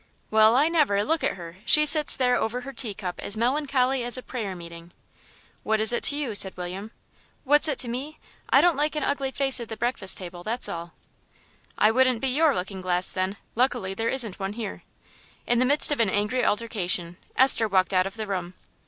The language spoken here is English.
"Well I never! Look at her! She sits there over her tea cup as melancholy as a prayer meeting." "What is it to you?" said William. "What's it to me? I don't like an ugly face at the breakfast table, that's all." "I wouldn't be your looking glass, then. Luckily there isn't one here." In the midst of an angry altercation, Esther walked out of the room.